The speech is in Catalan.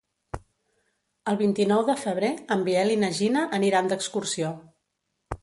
El vint-i-nou de febrer en Biel i na Gina aniran d'excursió.